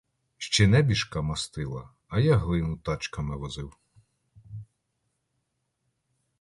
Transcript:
Ще небіжка мастила, а я глину тачками возив.